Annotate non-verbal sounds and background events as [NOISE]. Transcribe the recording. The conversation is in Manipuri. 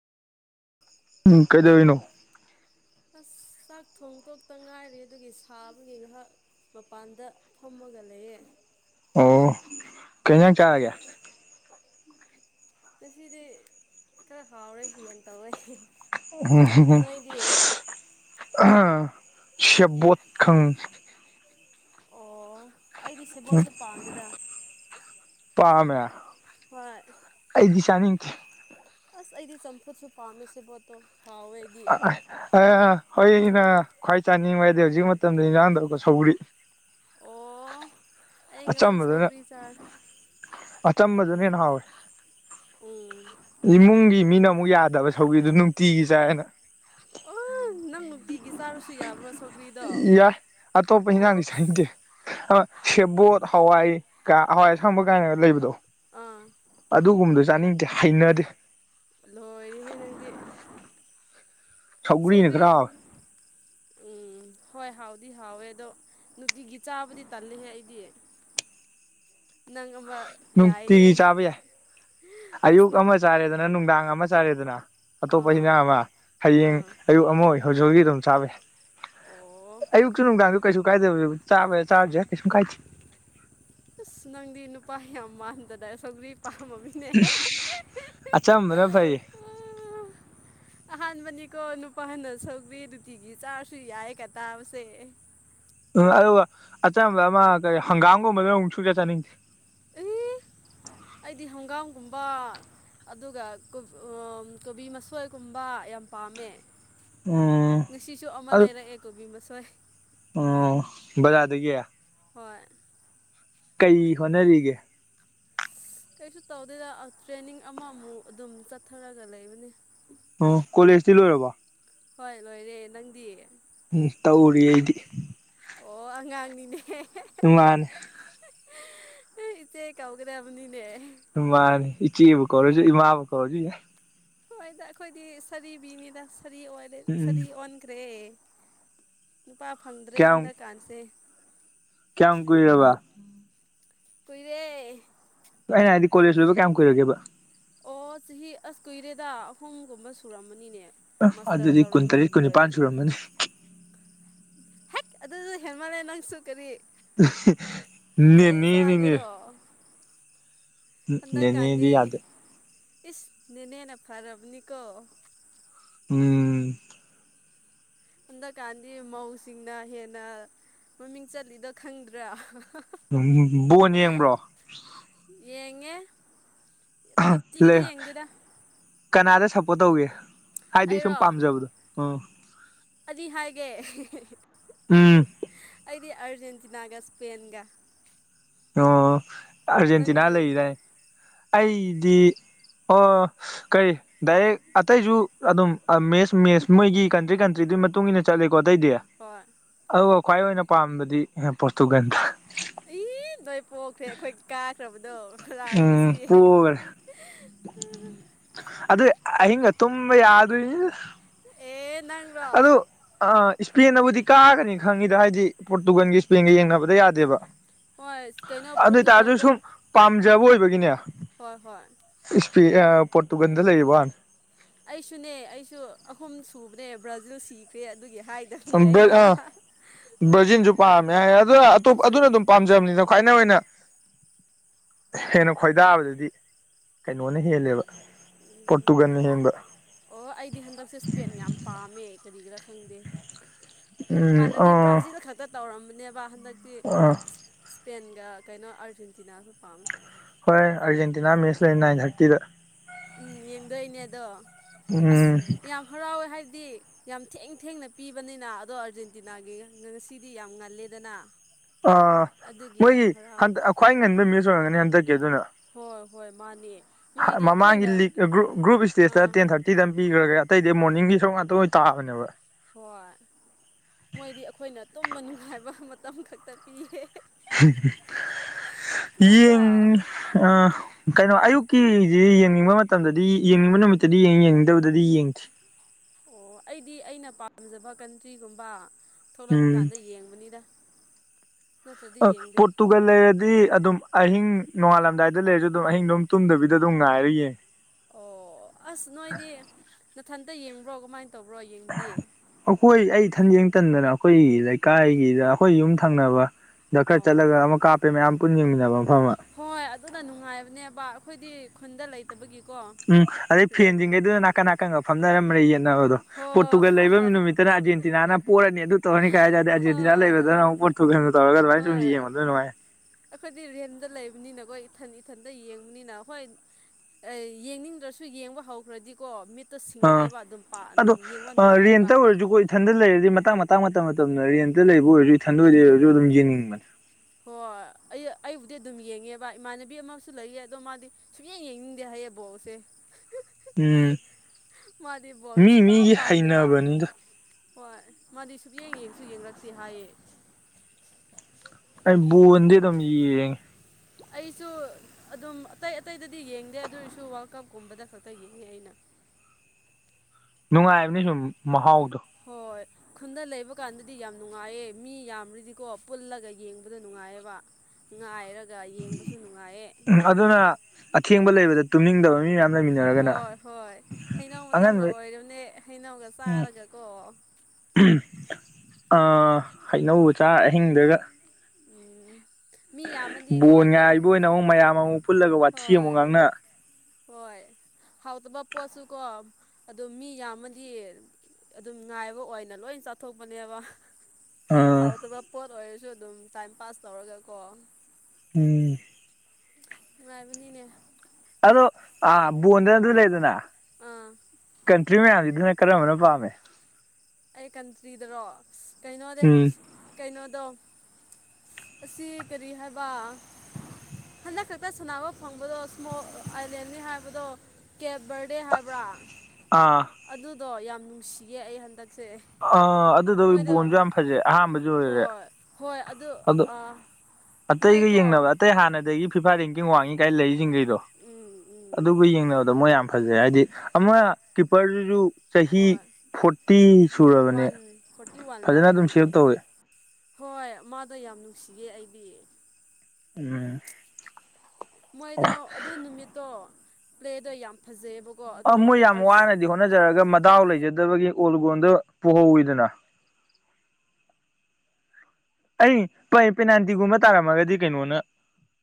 ꯎꯝ ꯀꯩꯗꯧꯔꯤꯅꯣ ꯑꯁ ꯆꯥꯛ ꯊꯣꯡꯇꯣꯛꯇ ꯉꯥꯏꯔꯤ ꯑꯗꯨꯒꯤ ꯁꯥꯕꯒꯤ ꯉꯥꯏꯍꯥꯛ ꯃꯄꯥꯟꯗ ꯐꯝꯃꯒ ꯂꯩꯌꯦ ꯑꯣ ꯀꯩ ꯏꯟꯖꯥꯡ ꯆꯥꯔꯒꯦ ꯉꯁꯤꯗꯤ ꯈꯔ ꯍꯥꯎꯔꯦ ꯌꯦꯟ ꯇꯧꯔꯦ ꯎ ꯁꯤꯕꯠ ꯈꯪ ꯑꯣ ꯑꯩꯗꯤ ꯁꯦꯕꯣꯠꯁꯦ ꯄꯥꯝꯃꯤꯗ ꯄꯥꯃꯦ ꯍꯣꯏ ꯑꯩꯗꯤ ꯆꯥꯅꯤꯡꯗꯦ ꯑꯁ ꯑꯩꯗꯤ ꯆꯝꯐꯨꯠꯁꯨ ꯄꯥꯝꯃꯦ ꯁꯤꯦ ꯄꯣꯠꯇꯣ ꯍꯥꯎꯋꯦ ꯑꯩꯗꯤ ꯑ ꯍꯣꯏ ꯑꯩꯅ ꯈ꯭ꯋꯥꯏ ꯆꯥꯅꯤꯡꯕꯗꯤ ꯍꯧꯖꯤꯛ ꯃꯇꯝꯗ ꯏꯔꯥꯡꯗꯀꯣ ꯁꯧ꯭ꯔꯤ ꯑꯣ ꯑꯩ ꯉꯔꯥꯡ ꯑꯆꯝꯕꯗꯅ ꯁꯧꯒ꯭ꯔꯤ ꯆꯥꯏ ꯑꯆꯝꯕꯗꯅ ꯍꯦꯟꯅ ꯍꯥꯎꯋꯦ ꯎꯝ ꯏꯃꯨꯡꯒꯤ ꯃꯤꯅ ꯑꯃꯨꯛ ꯌꯥꯗꯕ ꯁꯧꯒꯤꯗꯨ ꯅꯨꯡꯇꯤꯒꯤ ꯆꯥꯏꯌꯦꯅ ꯑꯣ ꯅꯪ ꯅꯨꯡꯇꯤꯒꯤ ꯆꯥꯔꯨꯁꯨ ꯌꯥꯕ꯭ꯔꯣ ꯁꯧꯒ꯭ꯔꯤꯗꯣ ꯑꯇꯣ ꯄꯅꯥꯒꯤ ꯑꯁ ꯁꯗꯦ ꯁꯦꯕꯣꯠ ꯍꯋꯥꯏ ꯀ ꯍꯋꯥꯏ ꯑꯁꯥꯡꯕ ꯀꯥꯏꯅ ꯂꯩꯕꯗꯣ ꯑꯥ ꯑꯗꯨꯒꯨꯝꯕꯗ ꯆꯥꯅꯤꯡꯗꯦ ꯍꯩꯅꯗꯦ ꯂꯣꯏꯔꯍꯦ ꯅꯪꯗꯤ ꯁꯧꯒ꯭ꯔꯤꯅ ꯁꯧꯂꯤ ꯈꯔ ꯍꯥꯎꯋꯦ ꯎꯝ ꯍꯣꯏ ꯍꯥꯎꯗꯤ ꯍꯥꯎꯋꯦ ꯑꯗꯣ ꯅꯨꯡꯇꯤꯒꯤ ꯆꯥꯕꯨꯗꯤ ꯇꯜꯂꯦꯍꯦ ꯑꯩꯗꯤ [UNINTELLIGIBLE] ꯅꯪ ꯑꯃ ꯅꯨꯡꯇꯤꯒꯤ ꯌꯥꯏꯍꯦ ꯆꯥꯕ ꯌꯥꯏ ꯑꯌꯨꯛ ꯑꯁ ꯅꯨꯞ ꯑꯃ ꯆꯥꯔꯦꯗꯅ ꯅ ꯅꯨꯡꯗꯥꯡ ꯑꯃ ꯆꯥꯔꯦꯗꯅ ꯑꯇꯣꯞꯄ ꯑꯥ ꯍꯤꯟꯖꯥꯛ ꯑꯃ ꯍꯌꯦꯡ ꯑꯥ ꯑꯌꯨꯛ ꯑꯃ ꯑꯣꯏ ꯍꯧꯖꯤꯛ ꯍꯧꯖꯤꯛ ꯑꯗꯨꯝ ꯆꯥꯕ ꯑꯣ ꯑꯌꯨꯛꯁꯨ ꯅꯨꯡꯗꯥꯡꯁꯨ ꯀꯩꯁꯨ ꯀꯥꯏꯗꯕ ꯆꯥꯕ ꯆꯥꯔꯖꯦ ꯀꯩꯁꯨꯝ ꯈꯥꯏꯦ ꯑꯁ ꯅꯪꯗꯤ ꯅꯨꯄꯥ ꯌꯥꯝ ꯃꯥꯟꯗꯅ ꯁꯧꯒ꯭ꯔꯤ ꯄꯥꯝꯃꯃꯤ ꯑꯆꯝꯕꯅ ꯐꯩ ꯑꯍꯥꯟꯕꯅꯤꯀꯣ ꯅꯨꯄꯥꯅ ꯁꯧꯒꯔꯤ ꯅꯨꯡꯇꯤꯒꯤ ꯆꯥꯔꯁꯨ ꯌꯥꯏꯀ ꯇꯥꯕꯁꯦ ꯎꯝ ꯑꯗꯨꯒ ꯑꯆꯝꯕ ꯑꯃ ꯀꯔꯤ ꯍꯪꯒꯥꯝꯒꯨꯝꯕꯗꯨꯅ ꯑꯃꯨꯛ ꯁꯨ ꯆꯠ ꯆꯠꯅꯤꯡꯗꯦ ꯑꯦ [UNINTELLIGIBLE] ꯑꯩꯗꯤ ꯍꯪꯒꯥꯝꯒꯨꯝꯕ ꯑꯗꯨꯒ ꯀꯣꯕꯤ ꯃꯁꯣꯏꯒꯨꯝꯕ ꯌꯥꯝ ꯄꯥꯝꯃꯦ ꯎꯝ ꯉꯁꯤꯁꯨ ꯑꯃ ꯑꯗꯨ ꯂꯩꯔꯛꯑꯦ ꯀꯣꯕꯤ ꯃꯁꯣꯏ ꯑꯣ ꯕꯖꯥꯔꯗꯒꯤ ꯍꯣꯏ ꯀꯩ ꯍꯣꯠꯅꯔꯤꯒꯦ ꯀꯩꯁꯨ ꯇꯧꯗꯦꯗ ꯇ꯭ꯔꯦꯟꯅꯤꯡ ꯑꯃꯃꯨꯛ ꯑꯗꯨꯝ ꯆꯠꯊꯔꯒ ꯂꯩꯕꯅꯤ ꯑꯣ ꯀꯣꯂꯦꯖꯇꯤ ꯂꯣꯏꯔꯕꯣ ꯍꯣꯏ ꯂꯣꯏꯔꯦ ꯅꯪꯗꯤ ꯎꯝ ꯇꯧꯔꯤ ꯑꯩꯗꯤ ꯑꯣ ꯑꯉꯥꯡꯅꯤꯅꯦ ꯍꯦ ꯍꯦ ꯏꯃꯥꯅꯤ ꯑꯦ ꯏꯆꯦ ꯀꯧꯒꯗꯕꯅꯤꯅꯦ ꯃꯥꯅꯤ ꯏꯆꯦꯕꯨ ꯀꯧꯔꯁꯨ ꯏꯃꯥꯕꯨ ꯀꯧꯔꯁꯨ ꯌꯥꯏ ꯍꯣꯏꯗ ꯑꯩꯈꯣꯏꯗꯤ ꯁꯥꯔꯤꯕꯤꯅꯤꯗ ꯁꯥꯔꯤ ꯑꯣꯏꯔꯦ ꯎꯝ ꯁꯥꯔꯤ ꯑꯣꯟꯈ꯭ꯔꯦ ꯅꯨꯄꯥ ꯐꯪꯗ꯭ꯔꯦ ꯀꯌꯥꯝ ꯍꯟꯗꯛꯀꯥꯟꯁꯦ ꯀꯌꯥꯝ ꯀꯨꯏꯔꯕꯥ ꯀꯨꯏꯔꯦ ꯑꯩꯅ ꯍꯥꯏꯗꯤ ꯀꯣꯂꯦꯖ ꯂꯣꯏꯕ ꯀꯌꯥꯝ ꯀꯨꯏꯔꯒꯦꯕ ꯑꯣ ꯆꯍꯤ ꯑꯁ ꯀꯨꯏꯔꯦꯗ ꯑꯍꯨꯝꯒꯨꯝꯕ ꯁꯨꯔꯝꯃꯅꯤꯅꯦ ꯃꯥꯁꯇꯔ ꯑꯗꯨꯗꯤ ꯇꯧꯔꯝꯃꯗꯤ ꯀꯨꯟꯇꯔꯦꯠ ꯀꯨꯟꯅꯤꯄꯥꯟ ꯂꯣꯢꯔꯥꯅꯤ ꯁꯨꯔꯝꯃꯅꯤ ꯍꯔꯠ ꯑꯗꯨꯁꯨ ꯍꯦꯟꯃꯜꯂꯦ ꯅꯪꯁꯨ ꯀꯔꯤ ꯆꯩ ꯅꯦꯅꯦꯅꯤꯅꯦ ꯆꯒꯦꯔꯣ ꯍꯟꯗꯛꯀꯥꯟꯗꯤ ꯅꯦꯅꯦꯗꯤ ꯌꯥꯗꯦ ꯏꯁ ꯅꯤꯅꯦꯅ ꯐꯔꯕꯅꯤꯀꯣ ꯎꯝ ꯍꯟꯗꯛꯀꯥꯟꯗꯤ ꯃꯧꯁꯤꯡꯅ ꯍꯦꯟꯅ ꯃꯃꯤꯡ ꯆꯠꯂꯤꯗꯣ ꯈꯪꯗ꯭ꯔꯥ ꯎꯝ ꯕꯣꯟ ꯌꯦꯡꯕ꯭ꯔꯣ ꯌꯦꯡꯉꯦ ꯅꯨꯡꯇꯤꯒꯤꯗꯤ ꯂꯩ ꯌꯦꯡꯗꯦꯗ ꯀꯅꯥꯗ ꯁꯞꯄꯣꯔꯠ ꯇꯧꯒꯦ ꯍꯥꯏꯗꯤ ꯁꯨꯝ ꯄꯥꯝꯖꯕꯗꯣ ꯑꯣ ꯑꯅꯤ ꯍꯥꯏꯒꯦ ꯎꯝ ꯑꯩꯗꯤ ꯑꯔꯖꯦꯟꯇꯤꯅꯥꯒ ꯁꯄꯦꯟꯒ ꯑꯣ ꯑꯥꯔꯖꯦꯟꯇꯤꯅꯥ ꯅꯪꯗꯤ ꯂꯩꯔꯤꯗꯥꯏ ꯑꯩꯗꯤ ꯑꯣ ꯀꯩ ꯗꯥꯏꯔꯦꯛ ꯑꯇꯩꯁꯨ ꯑꯗꯨꯝ ꯃꯦꯁ ꯃꯦꯁ ꯃꯣꯏꯒꯤ ꯀꯟꯇ꯭ꯔꯤ ꯀꯟꯇ꯭ꯔꯤꯗꯨꯢ ꯃꯇꯨꯡ ꯏꯟꯅ ꯆꯠꯂꯦꯀꯣ ꯑꯇꯩꯗꯤ ꯍꯣꯏ ꯑꯗꯨꯒ ꯈ꯭ꯋꯥꯏ ꯑꯣꯏꯅ ꯄꯥꯝꯕꯗꯤ ꯄꯣꯔꯇꯨꯒꯟꯗꯣ ꯑꯩ ꯅꯣꯏ ꯄꯣꯈ꯭ꯔꯦ ꯑꯩꯈꯣꯏ ꯀꯥꯈ꯭ꯔꯕꯗꯣ ꯎꯝ ꯈꯥꯔꯥꯡꯉꯥꯁꯤ ꯑ ꯑꯗꯨꯏ ꯑꯍꯤꯡꯒꯥ ꯇꯨꯝꯕ ꯌꯥꯗꯔ꯭ꯤꯅꯤꯗꯥ ꯑꯦ ꯅꯪ꯭ꯔꯣ ꯑꯥ ꯏꯁꯄꯦꯟꯅꯕꯨꯗꯤ ꯀꯥꯒꯅꯤ ꯈꯪꯉꯤꯗ ꯍꯥꯏꯗꯤ ꯄꯣꯔꯇꯨꯒꯟꯒ ꯏꯁꯄꯦꯟꯒ ꯌꯦꯡꯅꯕꯗ ꯌꯥꯗꯦꯕ ꯍꯣꯏ ꯀꯩꯅꯣ ꯑꯗꯨ ꯑꯣꯏ ꯇꯥꯔꯁꯨ ꯄꯔꯣꯇꯨꯒꯜꯗꯣ ꯁꯨꯝ ꯄꯥꯝꯖꯕ ꯑꯣꯏꯕꯒꯤꯅꯦ ꯍꯣꯏ ꯍꯣꯏ ꯏꯁꯄꯦ ꯑ ꯄꯣꯔꯇꯨꯒꯟꯗ ꯂꯩꯔꯤꯕ ꯋꯥꯅꯦ ꯑꯩꯁꯨꯅꯦ ꯑꯩꯁꯨ ꯑꯍꯨꯝ ꯁꯨꯕꯅꯦ ꯕ꯭ꯔꯥꯖꯤꯜ ꯁꯤꯈ꯭ꯔꯦ ꯑꯗꯨꯒꯤ ꯍꯥꯏ ꯁꯨꯝ ꯕꯔ ꯑ ꯕꯔꯖꯤꯟꯁꯨ ꯄꯥꯝꯃꯦ ꯍꯥꯏ ꯑꯗꯨ ꯑꯇꯣꯞ ꯑꯩꯁꯨ ꯑꯗꯨꯅ ꯑꯗꯨꯝ ꯄꯥꯝ ꯖꯕꯥꯅꯤꯗ ꯈꯋ꯭ꯥꯏꯅ ꯑꯣꯏꯅ ꯍꯦꯟꯅ ꯈꯣꯏꯗꯥꯕꯗꯗꯤ ꯀꯩꯅꯣꯅ ꯍꯦꯜꯂꯦꯕ ꯄꯣꯔꯇꯨꯒꯜꯅ ꯍꯦꯟꯕ ꯑꯣ ꯑꯩꯗꯤ ꯍꯟꯗꯛꯁꯦ ꯏꯁꯄꯦꯟ ꯌꯥꯝ ꯄꯥꯝꯃꯦ ꯀꯔꯤꯒꯤꯔꯥ ꯈꯪꯗꯦ ꯎꯝ ꯍꯥꯟꯅꯗꯤ ꯑꯥ ꯕ꯭ꯔꯥꯖꯤꯜ ꯈꯛ ꯗ ꯇꯧꯔꯝꯕꯅꯦꯕ ꯍꯟꯗꯛꯇꯤ ꯑꯥ ꯁ꯭ꯄꯦꯟꯒ ꯀꯩꯅꯣ ꯑꯥꯔꯖꯦꯟꯇꯤꯅ ꯄꯥꯝꯃꯤ ꯍꯣꯏ ꯑꯥꯔꯖꯦꯟꯇꯤꯅꯥ ꯃꯦꯠꯆ ꯂꯩ ꯅꯥꯏꯟ ꯊꯔꯇꯤꯗ ꯎꯝ ꯌꯦꯡꯗꯣꯏꯅꯦ ꯑꯗꯣ ꯑꯁ ꯎꯝ ꯌꯥꯝ ꯍꯔꯥꯎꯋꯦ ꯍꯥꯏꯕꯗꯤ ꯌꯥꯝ ꯊꯦꯡ ꯊꯦꯡꯅ ꯄꯤꯕꯅꯤꯅ ꯑꯗꯣ ꯑꯥꯔꯖꯦꯟꯇꯤꯅꯥꯒꯤ ꯉꯁꯤꯗꯤ ꯌꯥꯝ ꯉꯜꯂꯦꯗꯅ ꯑ ꯑꯗꯨꯒꯤ ꯌꯥꯝ ꯃꯣꯏꯒꯤ ꯍꯔꯥꯎꯋꯦ ꯍꯟꯗꯛ ꯈ꯭ꯋꯥꯏ ꯉꯟꯕ ꯃꯦꯁ ꯑꯣꯏꯔꯝꯒꯅꯤ ꯍꯟꯗꯛꯀꯤ ꯑꯗꯨꯅ ꯍꯣꯏ ꯍꯣꯏ ꯃꯥꯅꯦ ꯃꯣꯏꯗꯤ ꯃꯃꯥꯡꯒꯤ ꯑꯩꯈꯣꯏꯅ ꯂꯤꯛ ꯒꯔꯨ-ꯒ꯭ꯔꯨꯞ ꯏꯁꯇ꯭ ꯦꯖꯇ ꯑꯥ ꯇꯦꯟ ꯊꯔꯠ ꯇꯤꯗ ꯑꯃ ꯄꯤꯒꯔ꯭ꯒꯦ ꯑꯇꯩꯗꯤ ꯃꯣꯔꯅꯤꯡꯒꯤ ꯁꯔꯨꯛ ꯉꯥꯛꯇ ꯑꯣꯏ ꯇꯥꯕꯅꯦꯕ ꯍꯣꯏ ꯃꯣꯏꯗꯤ ꯑꯩꯈꯣꯏꯅ ꯇꯨꯝꯕ ꯅꯨꯡꯉꯥꯏꯕ ꯃꯇꯝ ꯈꯛꯇ ꯄꯤꯌꯦ ꯅꯠꯇ꯭ꯔꯣ ꯌꯦꯡ [UNINTELLIGIBLE] ꯀꯩꯅꯣ ꯑꯌꯨꯛꯀꯤꯗꯤ ꯌꯦꯡꯅꯤꯡꯕ ꯃꯇꯝꯗꯗꯤ ꯌꯦꯡꯅꯤꯡꯕ ꯅꯨꯃꯤꯠꯇꯗꯤ ꯌꯦꯡꯏ ꯌꯦꯡꯅꯤꯡꯗꯕꯗꯗꯤ ꯌꯦꯡꯗꯦ ꯑꯣ ꯑꯩꯗꯤ ꯑꯩꯅ ꯄꯥꯝꯖꯕ ꯀꯟꯇ꯭ꯔꯤꯒꯨꯝꯕ ꯊꯣꯛꯂꯛꯄ ꯎꯝ ꯀꯥꯟꯗ ꯌꯦꯡꯕꯅꯤꯗ ꯅꯠꯇ꯭ꯔꯗꯤ ꯑ ꯌꯦꯡꯗꯦ ꯄꯣꯠꯇꯨ ꯑꯗꯨꯒ ꯂꯩꯔꯗꯤ ꯑꯗꯨꯝ ꯑꯍꯤꯡ ꯅꯣꯡꯉꯥꯜꯂꯝꯗꯥꯏꯗ ꯂꯩꯔꯁꯨ ꯗꯨꯝ ꯑꯍꯤꯡ ꯗꯨꯝ ꯇꯨꯝꯗꯕꯤꯗ ꯗꯨꯝ ꯉꯥꯏꯔ ꯌꯦꯡꯉꯦ ꯑꯣ ꯑꯁ ꯅꯣꯏꯗꯤ ꯃꯊꯟꯇ ꯌꯦꯡꯕ꯭ꯔꯣ ꯀꯃꯥꯏꯅ ꯇꯧꯕ꯭ꯔꯣ ꯌꯦꯡꯗꯤ ꯑꯩꯈꯣꯏ ꯑꯩ ꯏꯊꯟ ꯌꯦꯡ ꯇꯟꯗꯅ ꯑꯩꯈꯣꯏ ꯂꯩꯀꯥꯏꯒꯤꯗ ꯑꯩꯈꯣꯏ ꯌꯨꯝ ꯊꯪꯅꯕ ꯗ ꯈꯔ ꯑꯣ ꯆꯠꯂꯒ ꯑꯃ ꯀꯥꯞꯄꯦ ꯃꯌꯥꯝ ꯄꯨꯟ ꯌꯦꯡꯃꯤꯕ ꯃꯐꯝ ꯑꯃ ꯍꯣꯏ ꯑꯗꯨꯅ ꯅꯨꯡꯉꯥꯏꯕꯅꯦꯕ ꯑꯩꯈꯣꯏꯗꯤ ꯈꯨꯟꯗ ꯂꯩ ꯇꯕꯒꯤꯀꯣ ꯎꯝ ꯑꯗꯩ ꯐꯦꯟꯁꯤꯡꯈꯩꯗꯨꯗ ꯅꯥꯀꯟ ꯅꯥꯀꯟꯒ ꯐꯝꯅꯔ ꯃꯔꯩ ꯌꯦꯠꯅꯕꯗꯣ ꯍꯣꯏ ꯄꯣꯔꯇꯨꯒꯜ ꯂꯩꯕ ꯅꯨꯃꯤꯠꯇꯅ ꯑꯥꯔꯖꯦꯟꯇꯤꯅꯥꯅ ꯄꯣꯔꯂꯅꯤ ꯑꯗꯨ ꯇꯧꯔꯅꯤ ꯀ ꯍꯥꯏꯥꯗꯦ ꯑꯥꯔꯖꯦꯟꯇꯤꯅꯥ ꯍꯣꯏ ꯂꯩꯕꯗꯅ ꯍꯣꯏ ꯑꯃꯨꯛ [UNINTELLIGIBLE] ꯑꯩꯈꯣꯏꯗꯤ ꯔꯦꯟꯗ ꯂꯩꯕꯅꯤꯅꯈꯣꯏ ꯏꯊꯟ ꯏꯊꯟꯗ ꯌꯦꯡꯕꯅꯤꯅ ꯍꯣꯏ ꯑꯦ ꯌꯦꯡꯅꯤꯡꯗ꯭ꯔꯁꯨ ꯌꯦꯡꯕ ꯍꯧꯈ꯭ꯔꯗꯤꯀꯣ ꯃꯤꯠ ꯇ ꯑꯥ ꯁꯤꯡꯉꯛꯑꯦꯕ ꯑꯗꯨꯝ ꯄꯥ ꯑꯗꯣ ꯌꯦꯡꯕ ꯅꯨꯡꯉꯥꯏꯌꯦꯕ ꯔꯦꯟꯇ ꯑꯣꯏꯔꯁꯨꯀꯣ ꯏꯊꯟꯗ ꯂꯩꯔꯗꯤ ꯃꯇꯥꯡ ꯃꯇꯥꯡ ꯃꯇꯝ ꯃꯇꯝꯅ ꯔꯦꯟꯠꯇ ꯂꯩꯕ ꯑꯣꯏꯔꯖꯨ ꯏꯊꯟꯗ ꯑꯣꯏ ꯂꯩꯔꯖꯨ ꯑꯗꯨꯝ ꯌꯦꯡꯅꯤꯡꯕꯅꯦ ꯍꯣꯏ ꯑꯩ ꯑꯩꯕꯨꯗꯤ ꯑꯗꯨꯝ ꯌꯦꯡꯉꯦꯕ ꯏꯃꯥꯟꯅꯕꯤ ꯑꯃꯁꯨ ꯂꯩꯌꯦ ꯑꯗꯣ ꯃꯥꯗꯤ ꯁꯨꯡꯌꯦꯡ ꯌꯦꯡꯅꯤꯡꯗꯦ ꯍꯥꯏꯌꯦ ꯕꯣ ꯇꯦ ꯎꯝ ꯃꯥꯗꯤ ꯕꯣꯜ ꯃꯤ ꯁꯨꯄꯥꯝ ꯃꯤꯒꯤ ꯄꯥꯝꯗꯕ ꯍꯩꯅꯕꯅꯤꯗ ꯍꯣꯏ ꯃꯥꯗꯤ ꯁꯨꯛꯌꯦꯡ ꯌꯦꯡꯁꯨ ꯌꯦꯡꯂꯛꯇꯦ ꯍꯥꯏꯌꯦ ꯑꯩ ꯕꯣꯟꯗꯤ ꯑꯗꯨꯝ ꯌꯦꯡꯉꯦ ꯑꯩꯁꯨ ꯑꯗꯨꯝ ꯑꯇꯩ ꯑꯇꯩꯗꯗꯤ ꯌꯦꯡꯗꯦ ꯑꯗꯨ ꯑꯣꯏꯔꯁꯨ ꯋꯥꯔꯜ ꯀꯞꯀꯨꯝꯕꯗ ꯈꯛꯇ ꯌꯦꯡꯉꯦ ꯑꯩꯅ ꯅꯨꯡꯉꯥꯏꯕꯅꯦ ꯁꯨꯝ ꯃꯍꯥꯎꯗꯣ ꯍꯣꯏ ꯈꯨꯟꯗ ꯂꯩꯕ ꯀꯥꯟꯗꯗꯤ ꯌꯥꯝ ꯅꯨꯡꯉꯥꯏꯌꯦ ꯃꯤ ꯌꯥꯝꯔꯗꯤꯀꯣ ꯄꯨꯜꯂꯒ ꯌꯦꯡꯕꯗ ꯅꯨꯡꯉꯥꯏꯌꯦꯕ ꯉꯥꯏꯔꯒ ꯌꯦꯡꯕꯁꯨ ꯅꯨꯡꯉꯥꯏꯌꯦ ꯎꯝ ꯑꯗꯨꯅ ꯑꯊꯦꯡꯕ ꯂꯩꯕꯗ ꯇꯨꯝꯅꯤꯡꯗꯕ ꯃꯤ ꯃꯌꯥꯝ ꯂꯩꯃꯤꯟꯅꯔꯒꯅ ꯍꯣꯏ ꯍꯣꯏ ꯍꯩꯅꯧ ꯃꯇꯝꯒ ꯑꯉꯟꯕ ꯑꯣꯏꯔꯕꯅꯦ ꯍꯩꯅꯧꯒ ꯆꯥꯔꯒꯀꯣ ꯑ ꯍꯩꯅꯧꯒ ꯆꯥꯔ ꯑꯍꯤꯡꯗꯒ ꯎꯝ ꯃꯤ ꯌꯥꯝꯃꯗꯤꯀꯣ ꯕꯣꯟ ꯀꯩ ꯉꯥꯏꯕ ꯑꯣꯏꯅ ꯑꯃꯨꯛ ꯃꯌꯥꯝ ꯑꯃꯨꯛ ꯄꯨꯜꯂꯒ ꯋꯥꯊꯤ ꯑꯃꯨꯛ ꯍꯣꯏ ꯉꯥꯡꯅ ꯍꯣꯏ ꯍꯥꯎꯇꯕ ꯄꯣꯠꯁꯨ ꯀꯣ ꯑꯗꯨꯝ ꯃꯤ ꯌꯥꯝꯃꯗꯤ ꯑꯗꯨꯝ ꯉꯥꯏꯕ ꯑꯣꯏꯅ ꯂꯣꯏ ꯆꯥꯊꯣꯛꯄꯅꯦꯕ ꯑꯥ ꯍꯥꯎꯇꯕ ꯄꯣꯠ ꯑꯣꯏꯔꯁꯨ ꯑꯗꯨꯝ ꯇꯥꯏꯝ ꯄꯥꯁ ꯇꯧꯔꯒ ꯀꯣ ꯎꯝ ꯅꯨꯉꯥꯏꯕꯅꯤꯅꯦ ꯑꯗꯣ ꯑ ꯕꯣꯟꯗ ꯑꯗꯨ ꯂꯩꯗꯅ ꯑꯥ ꯀꯟꯇ꯭ꯔꯤ ꯃꯌꯥꯝꯁꯤꯗꯅ ꯀꯔꯝꯕꯅ ꯄꯥꯝꯃꯦ ꯑꯩ ꯀꯟꯇ꯭ꯔꯤꯗꯔꯣ ꯀꯩꯅꯣꯅꯦ ꯎꯝ ꯀꯩꯅꯣꯗꯣ ꯑꯁꯤ ꯀꯔꯤ ꯍꯥꯏꯕꯥ [UNINTELLIGIBLE] ꯈꯛꯇ ꯁꯅꯥꯕ ꯐꯪꯕꯗꯣ ꯏꯁꯃꯣ ꯑꯥꯏꯂꯦꯟꯅꯤ ꯍꯥꯏꯕꯗꯣ ꯀꯦꯞ ꯕꯔꯗꯦ ꯍꯥꯏꯕ꯭ꯔꯥ ꯑꯥ ꯑꯗꯨꯗꯣ ꯌꯥꯝ ꯅꯨꯡꯁꯤꯌꯦ ꯑꯩ ꯍꯟꯗꯛꯁꯦ ꯑ ꯑꯗꯨꯗ ꯃꯣꯏꯗꯣ ꯕꯣꯟꯁꯨ ꯌꯥꯝ ꯐꯖꯩ ꯑꯍꯥꯥꯟꯕꯁꯨ ꯑꯣꯏꯔꯦ ꯍꯣꯏ ꯍꯣꯏ ꯑꯗꯨ ꯑꯗꯣ ꯑꯥ ꯑꯇꯩꯒ ꯃꯣꯏꯀꯣ ꯌꯦꯡꯅꯕ ꯑꯇꯩ ꯍꯥꯟꯅꯗꯒꯤ ꯐꯤꯐꯥ ꯔꯦꯡꯀꯤꯡ ꯋꯥꯡꯉꯤ ꯀꯥꯏ ꯂꯩꯔꯤꯁꯤꯡꯒꯩꯗꯣ ꯎꯝ ꯎꯝ ꯑꯗꯨꯒ ꯌꯦꯡꯅꯕꯗ ꯃꯣꯏ ꯌꯥꯝ ꯐꯖꯩ ꯍꯥꯏꯗꯤ ꯑꯃ ꯀꯤꯞꯄꯔꯗꯨꯖꯨ ꯆꯍꯤ ꯍꯣꯏ ꯐꯣꯔꯇꯤ ꯁꯨꯔꯕꯅꯦ ꯋꯥꯟ ꯐꯣꯔꯇꯤ ꯋꯥꯟꯂꯥ ꯐꯖꯅ ꯑꯗꯨꯝ ꯑꯣꯏꯈꯤꯕꯅꯦ ꯁꯦꯞ ꯇꯧꯋꯦ ꯍꯣꯏ ꯃꯥꯗꯣ ꯌꯥꯝ ꯅꯨꯡꯁꯤꯌꯦ ꯑꯩꯗꯤ ꯎꯝ ꯃꯣꯏꯗꯣ ꯑꯗꯨ ꯅꯨꯃꯤꯠꯇꯣ ꯄ꯭ꯂꯦꯗꯣ ꯌꯥꯝ ꯐꯖꯩꯌꯦꯕ ꯑ ꯃꯣꯏ ꯌꯥꯝ ꯋꯥꯅꯗꯤ ꯍꯣꯠꯅꯖꯔꯒ ꯃꯗꯥꯎ ꯂꯩꯖꯗꯕꯒꯤ ꯑꯣꯜ ꯒꯣꯟꯗ ꯄꯣꯍꯧꯋꯤꯗꯅ ꯑꯩ ꯄꯩ ꯄꯦꯅꯥꯜꯇꯤꯒꯨꯝꯕ ꯇꯥꯔꯝꯃꯒꯗꯤ ꯀꯩꯅꯣꯅ